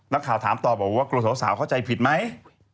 นักข่าวถามต่อบอกว่ากลัวสาวเข้าใจผิดไหม